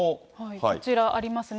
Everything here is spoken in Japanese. こちらありますね。